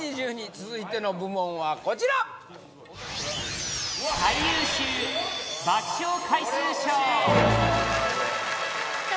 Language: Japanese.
続いての部門はこちらさあ